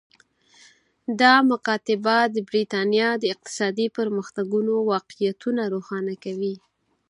دا مکاتبه د برېټانیا د اقتصادي پرمختګونو واقعیتونه روښانه کوي